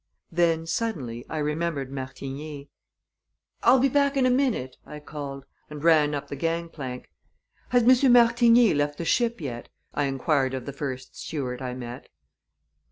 Then, suddenly, I remembered Martigny. "I'll be back in a minute," I called, and ran up the gang plank. "Has M. Martigny left the ship yet?" I inquired of the first steward I met.